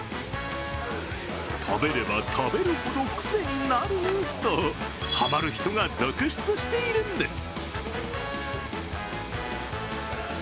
食べれば食べるほど癖になるとハマる人が続出しているんです。